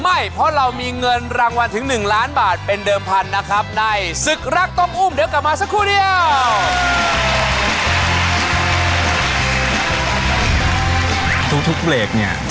ไม่ต้องเป็นแล้วเย็นดูมันก็ได้